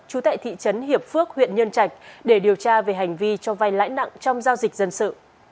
trú tại thị trấn hiệp phước huyện nhân trạch để điều tra về hành vi cho vay lãi nặng trong giao dịch dân sự